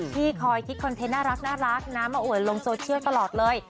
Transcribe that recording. ที่คอยคิดคอนเทนต์น่ารักนะมาอวดลงโซเชียลตลอดเลย